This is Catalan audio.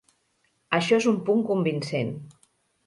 Això és un punt convincent.